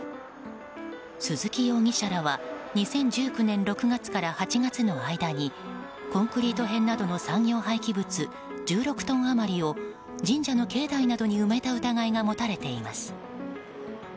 鈴木容疑者らは２０１９年６月から８月の間にコンクリート片などの産業廃棄物１６トン余りを神社の境内などに埋めた疑いが持たれています。